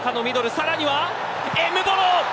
さらにはエムボロ。